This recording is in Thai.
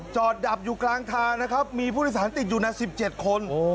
จอดดับอยู่กลางทางนะครับมีผู้หิสัญติดอยู่นาที๑๗คน